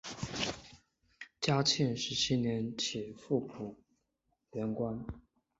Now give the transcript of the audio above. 嘉庆十七年起复补原官。